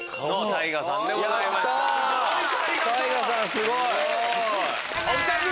ＴＡＩＧＡさんすごい！おふた組！